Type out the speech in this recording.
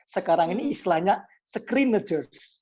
sekarang ini istilahnya screen agers